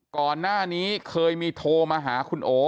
ก่อนหน้านี้เคยมีโทรมาหาคุณโอ